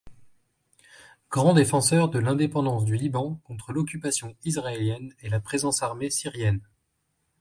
Grand défenseur de l'indépendance du Liban contre l'occupation israélienne et la présence armée syrienne.